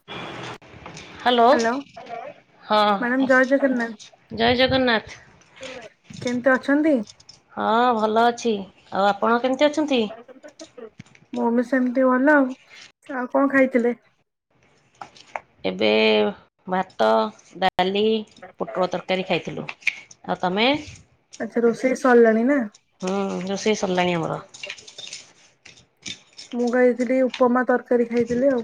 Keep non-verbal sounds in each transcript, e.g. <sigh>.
<inaudible> Hello, ହଁ madam ଜୟ ଜଗନ୍ନାଥ। ଜୟ ଜଗନ୍ନାଥ। କେମିତି ଅଛନ୍ତି? ହଁ ଭଲ ଅଛି। ଆଉ ଆପଣ କେମିତି ଅଛନ୍ତି? ମୁଁ ବି ସେମିତି ଭଲ। ଆଉ କଣ ଖାଇଥିଲେ? ଏବେ-ଏ-ଏ-ଏ ଭାତ, ଡାଲି, ପୋଟଳ ତରକାରୀ ଖାଇଥିଲୁ। ଆଉ ତମେ? ଆଛା ରୋଷେଇ ସରିଲାଣି ନା? ହଁ ରୋଷେଇ ସରିଲାଣି ଆମର। ମୁଁ ଖାଇଥିଲି ଉପମା, ତରକାରୀ ଖାଇଥିଲି ଆଉ।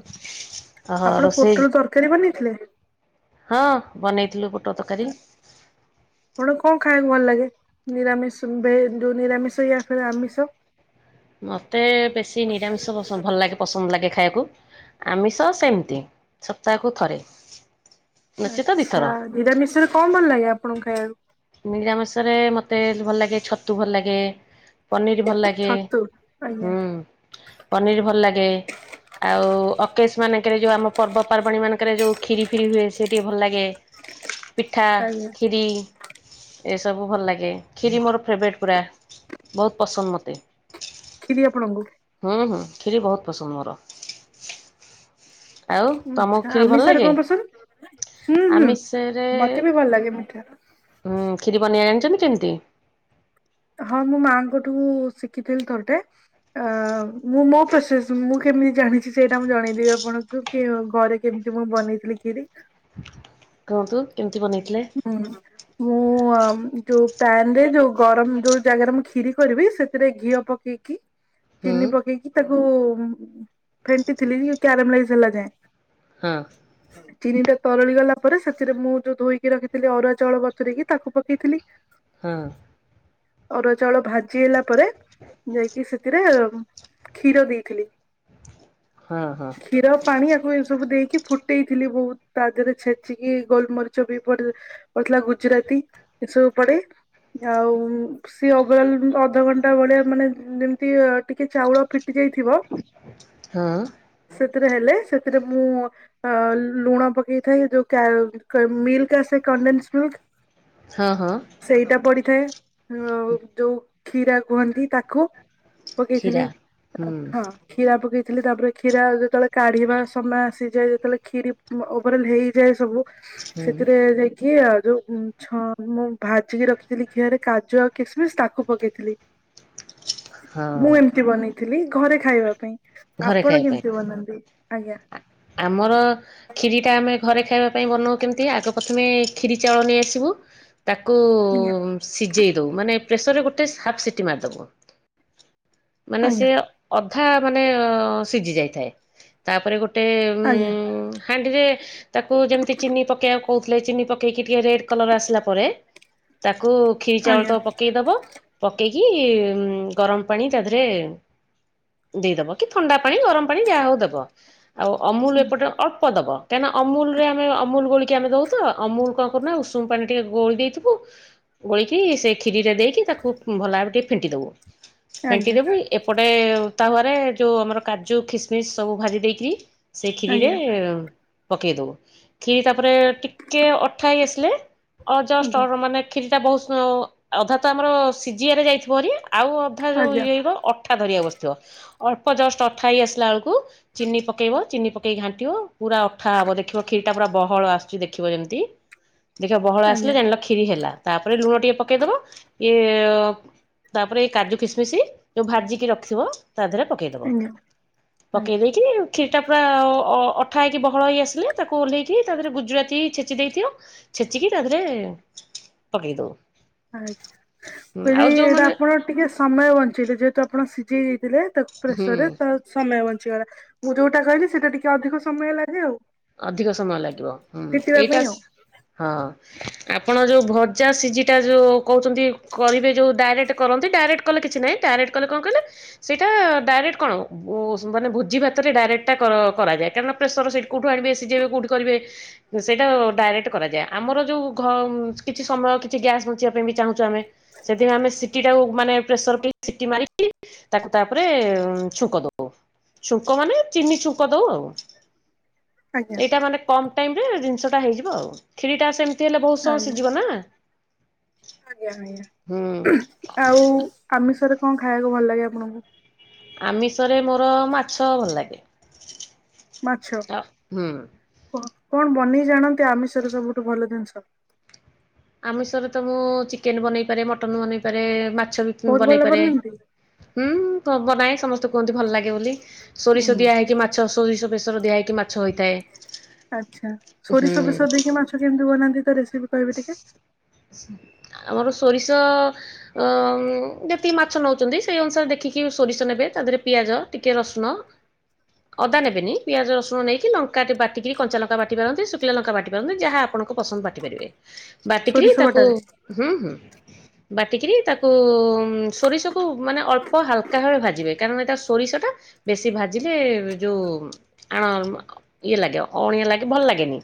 ଓହୋ ଆପଣ ରୋଷେଇ ପୋଟଳ ତରକାରୀ ବନେଇଥିଲେ? ହଁ ବନେଇଥିଲୁ ପୋଟଳ ତରକାରୀ। ଆପଣଙ୍କୁ କଣ ଖାଇବାକୁ ଭଲ ଲାଗେ? ନିରାମିଷ ଭେ ଯୋଉ ନିରାମିଷ ୟା ଫିର୍ ଆମିଷ? ମତେ ବେଶୀ ନିରାମିଷ ପସନ୍ଦ ଭଲ ଲାଗେ। ପସନ୍ଦ ଲାଗେ ଖାଇବାକୁ ଆମିଷ ସେମିତି ସପ୍ତାହକୁ ଥରେ। ନଚେତ ଦିଥର। ଆଚ୍ଛା ନିରାମିଷରେ କଣ ଭଲ ଲାଗେ ଆପଣଙ୍କୁ ଖାଇବାକୁ? ନିରାମିସରେ ମୋତେ ଭଲ ଲାଗେ ଛତୁ ଭଲ ଲାଗେ ପନିର ଭଲ ଲାଗେ। ଛତୁ ଆଜ୍ଞା। ହୁଁ। ପନିର ଭଲ ଲାଗେ। ଆଉ ଅକେଶ ମାନଙ୍କରେ ଯୋଉ ଆମ ପର୍ବପର୍ବାଣୀ ମାନଙ୍କରେ ଯୋଉ ଖିରି ଫିରି ହୁଏ ସେ ଟିକେ ଭଲ ଲାଗେ। ପିଠା ଆଜ୍ଞା ଖିରି। ଏସବୁ ଭଲ ଲାଗେ ଖିରି ମୋର ଫେବରେଟ୍ ପୁରା ବହୁତ୍ ପସନ୍ଦ ମୋତେ। ଖିରି ଆପଣଙ୍କୁ ହୁଁ ହୁଁ କ୍ଷୀରି ବହୁତ୍ ପସନ୍ଦ ମୋର। ଆଉ ତମକୁ ଆଚ୍ଛା କ୍ଷୀରି ଭଲ ଆମିଷରେ ଲାଗେ? କଣ ପସନ୍ଦ? ହୁଁ ହୁଁ ଆମିଷରେ ମତେ ବି ଭଲ ଲାଗେ ମିଠା। ହୁଁ ଖିରି ବନେଇବା ଜାଣିଛନ୍ତି କେମିତି? ହଁ ମୁଁ ମାଆଙ୍କଠୁ ଶିଖିଥିଲି ଥରଟେ। ଅ ମୁଁ ମୋ ପ୍ରୋସେସ ମୁଁ କେମିତି ଜାଣିଛି ସେଇଟା ମୁଁ ଜଣେଇଦେବି ଆପଣଙ୍କୁ। ତ କେଓ ଘରେ କେମିତି ମୁଁ ବନେଇଥିଲି ଖିରି। କୁହନ୍ତୁ କେମିତି ବନେଇଥିଲେ। ହୁଁ ମୁଁ ଯୋଉ ପ୍ୟାନ ରେ ଯୋଉ ଗରମ ଯୋଉ ଜାଗାରେ ମୁ ଖିରି କରିବି ସେଥିରେ ଘିଅ ପକେଇକି ହୁଁ। ଚିନି ପକେଇକି ତାକୁ ଫେଣ୍ଟିଥିଲି କ୍ୟାରମଲାଇଜ ହେଲା ଯାଏଁ। ହୁଁ। ଚିନି ଟା ତରଳି ଗଲା ପରେ ସେଥିରେ ମୁଁ ଯୋଉ ଧୋଇକି ରଖିଥିଲି ଅରୁଆ ଚାଉଳ ବତୁରେଇକିି ତାକୁ ପକେଇଥିଲି। ହୁଁ। ଅରୁଆ ଚାଉଳ ଭାଜି ହେଲା ପରେ ଯାଇକି ସେଥିରେ କ୍ଷୀର ଦେଇଥିଲି। ହଁ ହଁ। କ୍ଷୀର ପାଣି ଆକୁ ଏ ସବୁ ଦେଇକି ଫୁଟେଇଥିଲି ବହୁତ୍ ତା ଦେହରେ ଛେଚିକି ଗୋଲମରିଚ ବି ପଡ ପଡିଥିଲା ଗୁଜୁରାତି ଏସବୁ ପଡେ ଆଉ ସିଏ ଓଭେଲ୍ ଅଧଘଣ୍ଟା ଭଳିଆ ମାନେ ଯେମିତି ଟିକିଏ ଚାଉଳ ଫିଟି ଯାଇଥିବ ହୁଁ। ସେଥିରେ ହେଲେ ସେଥିରେ ମୁଁ ଅ ଲୁଣା ପକେଇଥାଏ ଯୋଉ କ୍ୟା ମିଲ୍କ ଆସେ କଡେନ୍ସ ମିଲ୍କ ହଁ ହଁ। ସେଇଟା ପଡିଥାଏ ଯୋଉ କ୍ଷୀରା କୁହନ୍ତି ତାକୁ ପକେଇଥିଲି କ୍ଷୀରା। ହୁଁ ହଁ। କ୍ଷୀୟା ପକେଇଥିଲି ତାପରେ କ୍ଷୀରା ଯେତେବେଳେ କାଢିବା ସମୟ ଆସିଯାଏ ଯେତେବେଳେ କ୍ଷୀରି ଓଭରାଲ ହେଇଯାଏ ସବୁ ହୁଁ। ତାରେ ଯାଇକି ଆଉ ଯୋଉ ଛ ମୁଁ ଭାଜିକି ରଖିଥିଲି ଘିଅରେ କାଜୁ ଆଉ କି ମିସ୍ ତାକୁ ପକେଇଥିଲି ମୁଁ ହଁ ଏମିତି ବନେଇଥିଲି ଘରେ ଖାଇବା ପାଇଁ। ଘରେ ଆପଣ ଖାଇବା କେମିତି ବନାନ୍ତି? ଆଜ୍ଞା ପାଇଁ ଆମର ଖିରିଟା ଆମେ ଘରେ ଖାଇବା ପାଇଁ ବନାଉ କେମିତି ଆଗ ପ୍ରଥମେ କ୍ଷିରି ଚାଉଳ ନେଇଆସିବୁ ତାକୁ ସିଜେଇ ଦଉ ମାନେ ପ୍ରେସରରେ ଗୋଟେ ହାଫ୍ ସିଟି ମାରିଦବୁ। ମାନେ ସେ ଆଜ୍ଞା ଅଧା ମାନେ ସିଝି ଯାଇଥାଏ ତାପରେ ଗୋ ଟେ ଉଁ ଆଜ୍ଞା ଉଁ ହାଣ୍ଡି ରେ ତାକୁ ଯେମିତି ଚିନି ପକେଇବାକୁ କହୁଥିଲେ ଚିନି ପକେଇକି ଟିକେ ରେଡ୍ କଲର୍ ଆସିଲା ପରେ ତାକୁ ଖିରି ଚାଉଳ ଆଜ୍ଞା ତ ପକେଇ ଦବ ପକେଇକି ଗରମ ପାଣି ତାଧେରେ ଦେଇଦବ କି ଥଣ୍ଡା ପାଣି ଗରମ ପାଣି ଯାହା ହଉ ଦବ ଆଉ ଅମୁଲ ଏପଟେ ଅଳ୍ପ ଦବ କାହିଁକିନା ଅମୁଲ ରେ ଆମେ ଅମୁଲ ଗୋଳିକ ଆମେ ଦଉ ତ ଅମୁଲ କଣ କରୁ ନାଁ ଉଷୁମ୍ ପାଣି ଟିକେ ଗୋଳି ଦେଇଥିବୁ ଗୋଳିକି ସେ କ୍ଷୀରିରେ ଦେଇକି ତାକୁ ଭଲ ଭବେ ଟିକଏ ଫେଣ୍ଟି ଦେବୁ ଫେଣ୍ଟି ଦେବୁ ଏପଟେ ତାହୁରେ ଯୋଉ ଆମର କାଜୁ, କିସମିସ ସବୁ ଭାଜି ଦେଇକିରି ସେ କ୍ଷିରିରେ ଆଜ୍ଞା ପକେଇ ଦବୁ। ଖିରି ତାପରେ ଟିକେ ଅଠା ହେଇ ଆସିଲେ ଅ ଜଷ୍ଟ ଆଜ୍ଞା ମାନେ କ୍ଷୀରିଟା ବହୁତ ଅଧା ତ ଆମର ସିଝଆରେ ଯାଇଥିବ ଭାରି ଆଉ ଆଜ୍ଞା ଯଉ ଇଏ ଆଜ୍ଞା ଆଜ୍ଞା ହେଇିବ ଅଠା ଧରିବା ବସିଥିବ ଅଳ୍ପ ଜଷ୍ଟ ଅଠା ହେଇ ଆସିଲା ବେଳକୁ ଚିନି ପକେଇବ ଚିନି ପକେଇକି ଘାଣ୍ଟିବ। ପୁରା ଅଠା ହବ ଦେଖିବ କ୍ଷୀରଟା ପୁରା ବହଳ ଆସୁଛି ଦେଖିବ ଯେମିତି ହ <unintelligible> ଦେଖିବା ବହଳ ଆସିଲେ ଜାଣିଲ ଖିରି ହେଲା ତାପରେ ଲୁଣ ଟିକେ ପକେଇଦବ ଇଏ ତାପରେ କାଜୁ କିସମିଶ ଯୋଉ ଭାଜିକି ରଖଥିବ ତା ଦେହରେ ପକେଇଦବ ଆଜ୍ଞା ଆଜ୍ଞା ପକେଇ ଦେଇକି କ୍ଷୀରଟା ପୁରା ଅଠା ହୋଇକି ବହଳ ହୋଇ ଆସିଲେ ତାକୁ ଓହ୍ଲାଇକି ତା ଦେହରେ ଗୁଜୁରାତି ଛେଚି ଦେଇଥିବ ଛେଛିକି ତାଦିରେ ପକେଇଦଉ। ଆଛା, ଆଉ କହିଲି ଏଇଟା ଯୋଉମାନେ ଆପଣ ଟିକେ ସମୟ ବଞ୍ଚେଇ ବେ ଯେହେତୁ ଆପଣ ସିଝେଇ ଦେଇଥିଲେ ତାକୁ ହୁଁ ପ୍ରେସରରେ ତ ସମୟ ବଞ୍ଚିଗଲା। ମୁଁ ଯୋଉଟା କହିଲି ସେଇଟା ଟିକେ ଅଧିକ ସମୟ ଲାଗେ ଆଉ ଅଧିକ ସମୟ ଲାଗିବ। ହୁଁ ଫିଟିବା ଏଇଟା ପାଇଁ ଆଉ ହଁ ଆପଣ ଯୋଉଭଜା ସିଝିଟା ଯୋଉ କହୁଛନ୍ତି। କରିବେ ଯୋଉ ଡାଇରେକ୍ଟ କରନ୍ତି ଡାଇରେକ୍ଟ କଲେ କିଛି ନାଁ ଡାଇରେକ୍ଟ କଣ କହିଲ ସେଇଟା ଡାଇରେକ୍ଟ କଣ ମାନେ ଭୋଜି ଭାତରେ ଡାଇରେକ୍ଟା କରାଯାଏ। କାରଣ ପ୍ରେସର ସେଇଟି କୋଉଟୁ ଆଣିବେ ସିଝାଇବେ କୋଉ ଟି କରିବେ ସେଇଟା ଡାଇରେକ୍ଟ କରାଯାଏ। ଆମର ଯୋଉ କିଛି ସମୟ କିଛି ଗ୍ୟାସ୍ ବଞ୍ଚିବା ପାଇଁ ବି ଚାହୁଁଛୁ ଆମେ ସେଥିପାଇଁ ଆମେ ସିଟି ମାନେ ପ୍ରେସରରେ ସିଟି ମାରିକି ତାକୁ ତାପରେ ଛୁଙ୍କ ଦଉ। ଛୁଙ୍କ ମାନେ ଚିନି ଛୁଙ୍କ ଦଉ ଆଉ। ଆଜ୍ଞା ଏଇଟା ମାନେ କମ ଟାଇମ ରେ ଜିନିଷଟା ହେଇଯିବ ଆଉ କ୍ଷୀରି ଟା ସେମିତି ହେଲେ ବହୁତ ସମୟ ଆଜ୍ଞା। ସିଝିବ ନା। ଆଜ୍ଞା ହୁଁ ଆଜ୍ଞା ଆଉ ଆମିଷରେ କଣ ଖାଇବାକୁ ଭଲ ଲାଗେ ଆପଣଙ୍କୁ? ଆମିଷରେ ମୋର ମାଛ ଭଲ ଲାଗେ। ମାଛ, ଆଉ ହୁଁ କଣ ବନେଇ ଜାଣନ୍ତି ଆମିଷରେ ସବୁଠୁ ଭଲ ଜିନିଷ। ଆମିଷରେ ତ ମୁଁ ଚିକେନ ବନେଇ ପାରେ ମଟନ ବନେଇପାରେ ମାଛ ବହୁତ ଭଲ ବି। ବନାନ୍ତି? ହୁଁ କ ବନାଏଇଁ ସମସ୍ତେ କୁହନ୍ତି ଭଲ ଲାଗେ ବୋଲି ହୁଁ। ସୋରିଷଦିଆ ହେଇକି ମା ମାଛ ସୋରିଶ ବେଶର ଦିଆ ହେଇକି ମାଛ ହୋଇଥାଏ। ଆଚ୍ଛା ହୁଁ ସୋରିଷ ବେଶର ଦେଇକି ମାଛ କେମିତି ବନାନ୍ତି, ତା ରେସିପି କହିବେ ଟିକେ? ଆମର ସୋରିଷ ଅ ଯେତିକି ମାଛ ନଉଛନ୍ତି ସେଇ ଅନୁସାରେ ଦେଖିକି ସୋରିଷ ନେବେ ତା ଦେହରେ ପିଆଜ, ଟିକେ ରସୁଣ। <inaudible> ଅଦା ନେବେନି ପିଆଜ ରସୁଣ ନେଇକିଙ୍କା ବାଟିକି କଞ୍ଚାଲଙ୍କା ବାଟି ପାରନ୍ତି ଶୁଖିଲାଲଙ୍କା ବାଟି ପାରନ୍ତି ଯାହା ଆପଣଙ୍କ ପସନ୍ଦ ବାଟି ପାରିବେ ବାଟି କିରି ସୋରିଷ ତାକୁ ବଟାରେ ହୁଁ ହୁଁ ବାଟି କିରି ତାକୁ ସୋରିଷକୁ ମାନେ ଅଳ୍ପ ହାଲକା ଭାବେ ଭାଜିବେ କାରଣ ଏ ଟା ସୋରିଷଟା ବେଶୀ ଭାଜିଲେ ଯୋଉ ଆଣ ଇଏ ଲାଗେ ଅଣିଆ ଲାଗେ ଭଲ ଲାଗେନି।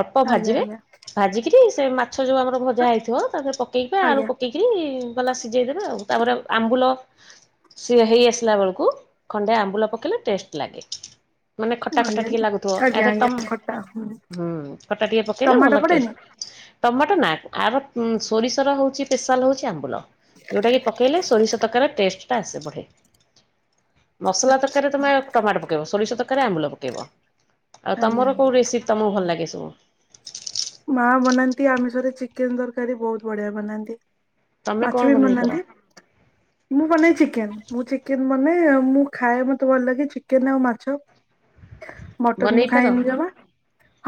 ଅଳ୍ପ ଆଜ୍ଞା ଭାଜିବେ ଆଜ୍ଞା ଭାଜିକିରି ସେ ମାଛ ଯୋଉ ଆମର ଭଜା ହେଇଥିବ ତାରେ ପକେଇକ ଆଳୁ ଆଜ୍ଞା ପକେଇକି କି ଗଲା ସିଝେଇଦବେ ଆଉ ତାପରେ ଆମ୍ବୁଲ ସିଏ ହେଇ ଆସିଲା ବେଳକୁ ଖଣ୍ଡେ ଆମ୍ବୁଲ ପକେଇଲେ ଟେଷ୍ଟ ଲାଗେ। ମାନେ ଖଟା ଖଟା ଆଜ୍ଞା ଟିକେ ଲାଗୁଥିବ ଆଜ୍ଞା ଆରେ ଆଜ୍ଞା ତମେ ଖଟା ହୁଁ ଖଟା ଟିକେ ପକେଇଲା ଟମାଟୋ ଭଲ ପଡେନି? ଟେଷ୍ଟ। ଟମାଟୋ ନା ଆର ସୋରିଷର ହଉଛି ସ୍ପେଶାଲ ହଉଛି ଆମ୍ବୁଲ। ଯୋଉଟା କି ପକେଇଲେ ସୋରିଷ ତରକାରିର ଟେଷ୍ଟ ଟା ଆସେ ବଢେ। ମସଲା ତରକାରୀ ତୁମେ ଟମାଟୋ ପକାଇବ, ସୋରିଷ ତରକାରୀ ଆମ୍ବୁଲ ପକାଇବ, ଆଉ ଆଜ୍ଞା ତମର ଆଜ୍ଞା। କେଉଁ ରେସିପି ତମକୁ ଭଲ ଲାଗେ ସବୁ? ମା ବନାନ୍ତି ଆମିଷରେ ଚିକେନ ତରକାରୀ ବହୁତ ବଢିଆ ବନାନ୍ତି। ତମେ କଣ ମାଛ ବି ବନେଇ ପାର ଵନାନ୍ତି। ମୁଁ ବନାଏ ଚିକେନ ମୁଁ ଚିକେନ ବନାଏ ମୁଁ ଖାଏ ମତେ ଭଲ ଲାଗେ ଚିକେନ, ଆଉ ମାଛ। ମଟନ ମୁଁ ବନେଇ ପାର ଖାଇନି ଜମା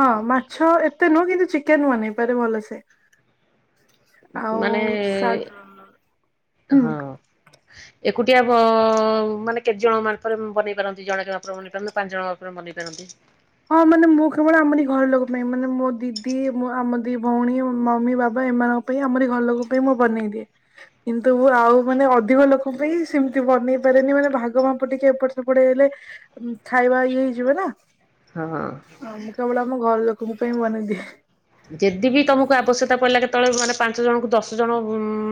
ହଁ ମାଛ ଏତେ ନୁହଁ କିନ୍ତୁ ଚିକେନ ବନେଇପାରେ ଭଲସେ। ଆଉ ମାନେ ସା ହୁଁ ହଁ। <inaudible> ଏକୁଟିଆ ମାନେ କେତେ ଜଣଙ୍କ ମାପରେ ବନେଇ ପାରନ୍ତି ଜଣକେ ମାପରେ ବନେଇ ପାରନ୍ତି ପାଞ୍ଚ ଜଣ ଙ୍କ ମାପରେ ବନେଇ ପାରନ୍ତି। ହଁ ମାନେ ମୁଁ କେବଳ ଆମରି ଘର ଲୋକ ପାଇଁ ମାନେ ମୋ ଦିଦି, ଆମ ଦି ଭଉଣୀ ମମି ବାବା ଏମାନଙ୍କ ପାଇଁ ଆମରି ଘର ଲୋକ ପାଇଁ ମୁଁ ବନେଇ ଦିଏ। କିନ୍ତୁ ଆଉ ମାନେ ଅଧିକ ଲୋକଙ୍କ ପାଇଁ ସେମିତି ବନେଇ ପାରେନି ମାନେ ଭାଗ ମାପ ଟିକେ ଏପଟେ ସେପଟେ ହେଇଗଲେ। ଖାଇବା ଇଏ ହେଇଯିବ ନା। ହଁ। ହଁ ମୁଁ କେବଳ ଆମ ଘର ଲୋକଙ୍କ ପାଇଁ ବନେଇ ଦିଏ। ଯେଦି ବିି ତମକୁ ଆବଶ୍ୟକତା ପଡିଲା କେତେବେଳେ ମାନେ ପାଞ୍ଚ ଜଣଙ୍କୁ ଦଶ ଜଣ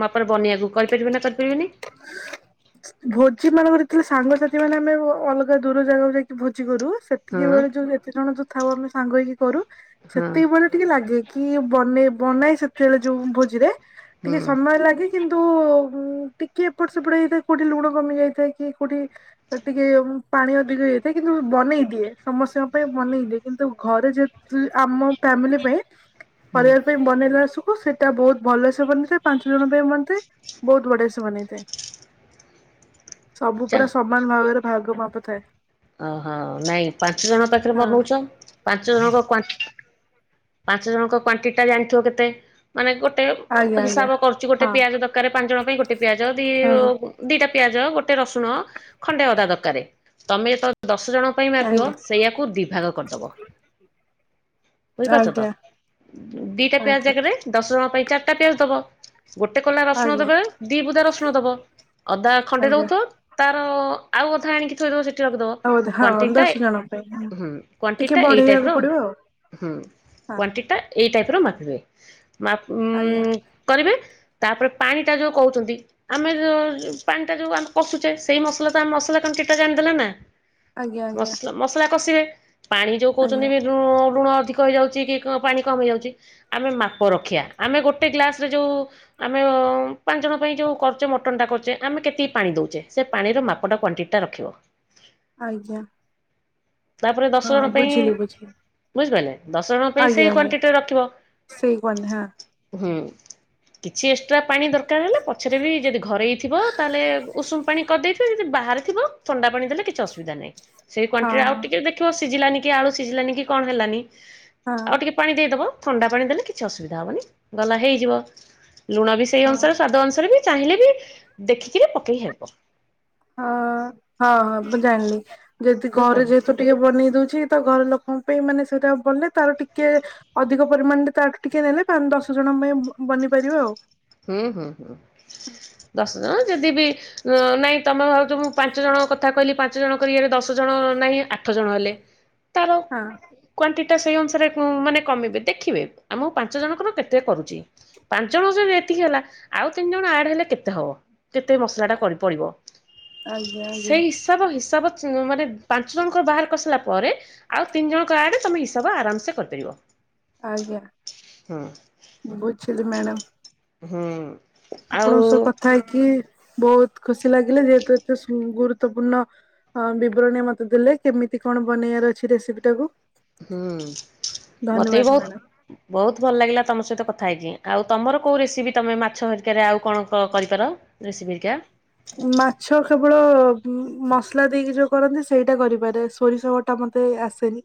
ମାପରେ ବନେଇବାକୁ କରିପାରିବେ ନା କରିପାରିବେନି? <inaudible> ଭୋଜି ମାନଙ୍କରେଥିଲେ ସାଙ୍ଗସାଥି ମାନେ ଆମେ ଅଲଗା ଦୂର ଜାଗାକୁ ଯାଇକି ଭୋଜି କରୁ। ହଁ ସେତିକି ବେଳେ ଯୋଉ ଏତେ ଜଣ ଯୋଉ ଥାଉ ଆମେ ସାଙ୍ଗ ହେଇକି କରୁ ହଁ ସେତିକି ବେଳେ ଟିକେ ଲାଗେ କି ବନେଇ ବନାଏ ସେତେବେଳେ ଯୋଉ ଭୋଜିରେ ହୁଁ ଟିକେ ସମୟ ଲାଗେ। କିନ୍ତୁ ଟିକେ ଏପଟ ସେପଟ ହେଇଥାଏ କୋଉଠି ଲୁଣ କମିଯାଇଥାଏ କି କୋଉଠି ଟିକେ ପାଣି ଅଧିକ ହେଇଥାଏ କିନ୍ତୁ ବନେଇ ଦିଏ ସମସ୍ତିଙ୍କ ପାଇଁ ବନେଇଦିଏ କିନ୍ତୁ ଘରେ ଯେହେତୁ ଆମ ଫ୍ୟାମିଲି ପାଇଁ ହୁଁ ପରିବାର ପାଇଁ ବନେଇଲା ବେଳେ ସବୁ ସେଇଟା ବହୁତ ଭଲସେ ବନିଥାଏ ପାଞ୍ଚ ଜଣ ପାଇଁ ବନେଇଥାଏ। ବହୁତ୍ ବଢି଼ୟା ସେ ବନେଇଥାଏ, ସବୁ ଚା ପୁରା ସବ ସମାନ ଭାବରେ ଭାଗ ମାପ ଥାଏ। ଓହୋ, ନାଇଁ ପାଞ୍ଚ ଜଣ ପାଖରେ ହଁ ପା ରହୁଚ ପାଞ୍ଚ ଜଣଙ୍କ କ୍ୱାଣ୍ଟ, ପାଞ୍ଚ ଜଣଙ୍କ କ୍ଵାଣ୍ଟିଟି ଟା ଜାଣିଥିବ କେତେ? ମାନେ ଗୋଟେର ଆଜ୍ଞା ଆଜ୍ଞା। ହିସାବ କରଚୁ, ହଁ ଗୋଟେ ପିଆଜ ଦରକାର ପାଞ୍ଚ ଜଣ ପାଇଁ, ଗୋଟେ ପିଆଜ ଦି ହଁ ଦିଟା ପିଆଜ, ଗୋଟେ ରସୁଣ, ଖଣ୍ଡେ ଅଦା ଦରକାର। ତମେ ତ ଦଶ ଜଣଙ୍କ ପାଇଁ ମାପିବ, ଆଜ୍ଞା ସେଇୟାକୁ ଦିଭାଗ କରିଦବ। ବୁଝିପାରୁଛତ, ଆଜ୍ଞା ଦିଟା ପିଆଜ ଆଜ୍ଞା ଜାଗାରେ ଦଶଜଣ ପାଇଁ ଚାରିଟା ପିଆଜ ଦବ। ଗୋଟେ କୁଲା ରସୁଣ ଆଜ୍ଞା ଦବେ, ଦି ବୁଦା ରସୁଣ ଦବ, ଅଦା ଖଣ୍ଡେ ଆଜ୍ଞା। ରହୁଥିବ ତାର ଆଉ ଅଧା ଆଣିକି ଥୋଇଦବ ସେ <unintelligible> ହଉ ହଁ କ୍ୱାଣ୍ଟିଟ୍ଟା ଦଶ ଜଣଙ୍କ ପାଇଁ ହଁ ହୁଁ, ଟିକେ କ୍ୱାଣ୍ଟିଟ୍ଟା ଏଇ ବଢେଇବାକୁ ଟାଇପର ପଡିବ ଆଉ ହୁଁ, ହଁ କ୍ୱାଣ୍ଟିିଟ୍ଟା ଏଇ ଟାଇପ ର ମାପିବ ମାପ୍ ଆଜ୍ଞା। କରିବେ, ତାପରେ ପାଣି ଟା ଯୋଉ କହୁଛନ୍ତି ଆମେ ଯୋଉ ପାଣି ଟା ଯୋଉ ଆମ କଶୁଛେ ସେଇ ମସଲା ତ ମସଲା ପାଣି କେତେ ଜାଣିଦେଲେ ନା? ଆଜ୍ଞା ଆଜ୍ଞା ମସଲା ମସଲା କଷିବେ ପାଣି ଯୋଉ ଆଜ୍ଞା କହୁଛନ୍ତି ବି ଲ ଲୁଣ ଅଧିକ କହିଯାଉଛି କି, କଣ ପାଣି କମ ହେଇଯାଉଛି, ଆମେ ମାପ ରଖିବା, ଆମେ ଗୋଟେ ଗ୍ଲାସ ରେ ଯୋଉ ଆମେଓଁ ପାଞ୍ଚ ଜଣ ପାଇଁ ଯୋଉ କରୁଚେ, ମଟନ ଟା କରୁଚେ, ଆମେ କେତିକି ପାଣି ଦଉଚେ, ସେ ପାଣିର ମାପଟା କ୍ୱାଣ୍ଟି ଟା ରଖିବ। ଆଜ୍ଞା। ତାପରେ ଦଶଜଣ ହଁ ପାଇଁ ବୁଝିଲି ବୁଝିଲି ବୁଝିପାରିଲେ, ଦଶଜଣ ପାଇଁ ଆଜ୍ଞା ସେଇ ଆଜ୍ଞା। କ୍ୱାଣ୍ଟିଟି ରେ ରଖିବ, ସେଇ କଣ ହଁ ହୁଁ। କିଛି ଏକ୍ସଟ୍ରା ପାଣି ଦରକାର ହେଲା ପଛରେ ବି ଯଦି ଘରୋଇଥିବ, ତାହେଲେ ଉଷୁମ ପାଣି କରିଦେଇଥିବ ଯଦି ବାହାରେ ଥିବ, ଥଣ୍ଡା ପାଣି ଦେଲେ କିଛି ଅସୁବିଧା ନାଇଁ, ସେ କ୍ୱାଣ୍ଟି ରେ ଆଉ ହଁ ଟିକେ ଦେ ଥିବ ସିଝିଲାନି କି, ଆଳୁ ସିଝିଲାନି କି, କଣ ହେଲାନି ହଁ ଆଉ ଟିକେ ପାଣି ଦେଇଦବ, ଥଣ୍ଡା ପାଣି ଦେଲେ କିଛି ଅସୁବିଧା ହବନି, ଗଲା ହେଇଯିବ। ଲୁଣ ବି ସେଇ ହଁ। ଅନୁସାରେ ସ୍ଵାଦ ଅନୁସାରେ ବି, ଚାହିଁଲେ ବି, ଦେଖିକିବି ପକେଇ ହେବ। ହଁ, ହଁ, ହଁ, ମୁଁ ଜାଣିଲି ଯଦି ଘରେ ବୁଝିପାରିଲ। ଯେହେତୁ ଟିକେ ବନେଇ ଦଉଛି, ତ ଘର ଲୋକଙ୍କ ପାଇଁ ମାନେ ସେଇଟା ବନଲେ ତାର ଟିକେ ଅଧିକ ପରିମାଣରେ ତାଠୁ ଟିକେ ନେଲେ ପାଞ୍ଚ, ଦଶ ଜଣଙ୍କ ପାଇଁ ବନିପାରିବ ଆଉ। ହୁଁ, ହୁଁ, ହୁଁ, ଦଶ ଜଣ ଯଦି ବି ନାଇ ତମେ ଯୋଉ ପାଞ୍ଚ ଜଣ କଥା କହିଲି, ପାଞ୍ଚ ଜଣ କରିିବେ ଦଶ ଜଣ ନାହିଁ, ଆଠ ଜଣ ହେଲେ। ତାର ହଁ କ୍ଵାଣ୍ଟିଟା ସେଇ ଅନୁସାରେ ମାନେ କମିବେ। ଦେଖିବେ ଆମର ପାଞ୍ଚ ଜଣଙ୍କର କେତେ କରୁଚି। ପାଞ୍ଚ ଜଣ ଯଦି ଏତିକି ହେଲା, ଆଉ ତିନି ଜଣ ଆଡ଼ ହେଲେ କେତେ ହବ କେତେ ମସଲା ଟା କରି ପଡି଼ବ। ଆଜ୍ଞା, ଆଜ୍ଞା। ତାପରେ, ହିସାବ <unintelligible> ମାନେ ପାଞ୍ଚ ଜଣଙ୍କର ବାହାର କରିସାରିଲା ପରେ ଆଉ ତିନି ଜଣ ଆଡ଼େ ତମେ ହିସାବ ଆରାମ ସେ କରିପାରିବ। ଆଜ୍ଞା, ହୁଁ ବୁଝିଲି ମ୍ୟାଡ଼ାମ। ହୁଁ। ଆଉ ଆପଣଙ୍କ ସହ କଥା ହେଇକି ବହୁତ ଖୁସି ଲାଗିଲା। ଯେହେତୁ ଏତେ ଶୁ ଗୁରୁତ୍ୱପୂର୍ଣ୍ଣ ହଁ, ବିବରଣୀ ମତେ ଦେଲେ କେମିତି କଣ ବନେଇବାର ଅଛି ରେସିପି ଟାକୁ। ହୁଁ, ମତେ ବି ଧନ୍ୟବାଦ ମ୍ୟାଡାମ। ବହୁତ ବହୁତ ଭଲ ଲାଗିଲା ତମ ସହିତ କଥା ହେଇକି। ଆଉ ତମର କୋଉ ରେସିପି ତମେ ମାଛ ହେରିକାରେ ଆଉ କଣ କରିପାର? ରେସିପି ହେରିକା। ମାଛ କେବଳ ମସଲା ଦେଇକି ଯୋଉ କରନ୍ତି ସେଇଟା କରିପାରେ। ସୋରିଷ ବ ଟା ମତେ ଆସେନି।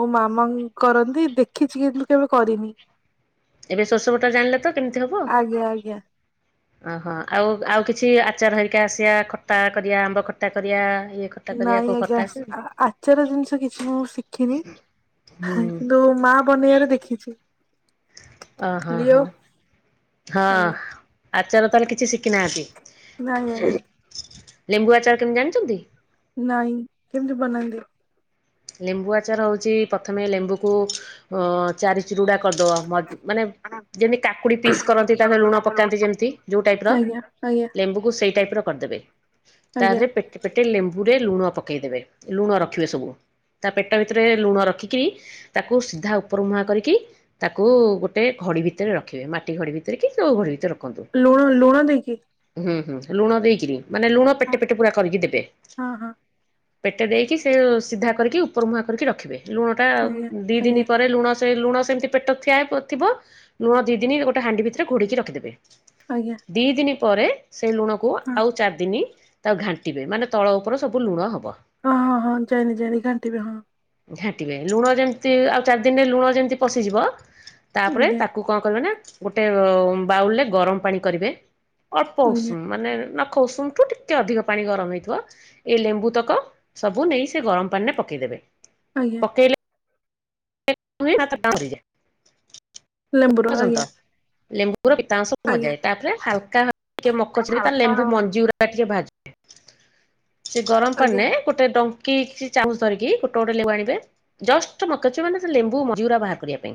ମୋ ମାମା କରନ୍ତି ଦେଖିଛି କିନ୍ତୁ କେବେ କରିନି। ଏବେ ସୋରଷବଟା ଜାଣିଲ ତ କେମିତି ହବ? ଆଜ୍ଞା। ଓହୋ, ଆଉ ଆଉ କିଛି ଆଚାର ହେରିକା ଆସିବା ଖଟା କରିବା, ଆମ୍ବ ଖଟା କରିବା, ଇଏ ଖଟା କରିବା ନାଇଁ କୋଉ ଆଜ୍ଞା, ଖଟା ଆସେନି? ଆଚାର ଜିନିଷ କିଛି ମୁଁ ଶିଖିନି। ହୁଁ। କିନ୍ତୁ ମା ବନେଇବାର ଦେଖିଛି। ଅ ହଁ ଲିଓ ହଁ। ହଁ ଆଜ୍ଞା ଆଚାର ତାହେଲେ କିଛି ଶିଖିନାହାନ୍ତି? ନାଇଁ ଆଜ୍ଞା ଲେମ୍ବୁ ଆଚାର କେମିତି ଜାଣିଛନ୍ତି? ନାଇଁ। କେମିତି ବନାନ୍ତି? ଲେମ୍ବୁ ଆଚାର ହେଉଛି ପ୍ରଥମେ ଲେମ୍ବୁକୁ ଚାରି ଚିରୁଡା କରିଦବ। ମ ମାନେ ଯେମିତି କାକୁଡି ପିସ୍ କରନ୍ତି ତାଦେହରେ ଲୁଣ ପକାନ୍ତି ଯେମିତି ଯୋଉ ଟାଇପ ର। ଆଜ୍ଞା ଆଜ୍ଞା। ଲେମ୍ବୁକୁ ସେଇ ଟାଇପ୍ ର କରିଦେବେ। ତା ଆଜ୍ଞା ଦେହରେ ପେଟେ ପେଟେ ଲେମ୍ବୁରେ ଲୁଣ ପକେଇଦବେ ଲୁଣ ରଖିବେ ସବୁ। ତା ପେଟ ଭିତରେ ଲୁଣ ରଖିକି ତାକୁ ସିଧା ଉପର ମୁହାଁ କରିକି ତାକୁ ଗୋଟେ ଘଡି ଭିତରେ ରଖିବେ। ମାଟି ଘଡି ଭିତରେ କି ଯଉ ଘଡ଼ି ଭିତରେ ର ଲୁଣ ଲୁଣ ଦେଇକି? ହୁଁ ହୁଁ ଲୁଣ ଦେଇକିରି। ମାନେ ଲୁଣ ହଁ ପେଟେ ପେଟ ପୁରା କରିକି ଦେବେ। ହଁ ହଁ ପେଟେ ଦେଇକି ସେ ସିଧା କରିକି ଉପର ମୁୁହାଁ କରିକି ରଖିବେ। ଲୁଣ ଟା ଆଜ୍ଞା ଦି ଆଜ୍ଞା ଦିନ ପରେ ଲୁଣ ଲୁଣ ସେମିତି ପେଟ ଥିଆ ଥିବ। ଲୁଣ ଦି ଦିନି ଗୋଟେ ହାଣ୍ଡି ଭିତରେ ଘୋଡେଇକି ରଖିଦେବେ। ଆଜ୍ଞା। ଦି ଦିନି ପରେ ସେ ଲୁଣକୁ ହଁ ଆଉ ଚାରିଦିନ ତାକୁ ଘାଣ୍ଟିବେ। ମାନେ ତଳ ଉପରେ ସବୁ ଲୁଣ ହବ। ହଁ ହଁ ହଁ ଯାଇଲି ଯାଇଲି ଘାଣ୍ଟିବେ ହଁ। ଘାଣ୍ଟିବେ। ଲୁଣ ଯେମିତି ଆଉ ଚାରି ଦିନରେ ଲୁଣ ଯେମିତି ପଶିଯିବ ତାପରେ ଆଜ୍ଞା ତାକୁ କଣ କରିବେ ନା ଗୋଟେ ବାଉଲରେ ଗରମ ପାଣି କରିବେ ଅଳ୍ପ ଆଜ୍ଞା ଉସୁମ୍ ମାନେ ନଖ ଉଷୁମ୍। ଠୁ ଟିକେ ଅଧିକ ପାଣି ଗରମ ହେଇଥିବ। ଏ ଲେମ୍ବୁ ତକ ସବୁ ନେଇ ସେ ଗରମ ପାଣି ରେ ପକେଇଦେବେ। ଆଜ୍ଞା। ପକେଇଲେ। <unintelligible> ଲେମ୍ବୁର ର୍ଚନ୍ତ। ଆଜ୍ଞା ଲେମ୍ୱୁ ର ପିତାଂଶ ଆଜ୍ଞା ମଜାଏ। ତା'ପରେ ହାଲକା ଟିକେ ମକଚିଲେ ତା ଲେମ୍ବୁ ମଞ୍ଜି ଗୁରା ଟିକେ ଭାଜେ ସେ ଗରମ ପାଣ୍ ଆଜ୍ଞା ନେ ଗୋଟେ, ଡଙ୍କି କି ଚାମୁଚ୍, ଧରିକି ଗୋଟେ ଗୋଟେ ଲେମ୍ୱୁ ଆଣିବେ। ଜଷ୍ଟ ମକଚିବ, ମାନେ ସେ ଲେମ୍ବୁ ମଞ୍ଜି ଗୁରା ବାହାର କରିବା ପାଇଁ।